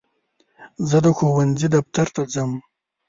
زه د ښوونځي دفتر ته ځم.